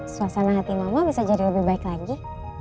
suasana hati mama bisa jadi lebih baik lagi